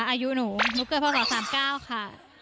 อายุหนูหนูเกิดพศ๓๙ค่ะ